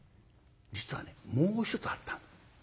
実はねもう一つあった。